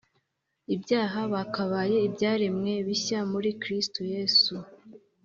Ibyaha bakaba ibyaremwe bishya muri kristo yesu